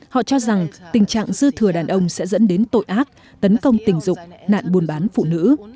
họ cho rằng tình trạng dư thừa đàn ông sẽ dẫn đến tội ác tấn công tình dục nạn buôn bán phụ nữ